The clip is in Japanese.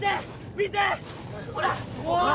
・見てほら！